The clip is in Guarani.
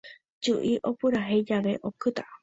Ju'i opurahéi jave, okýta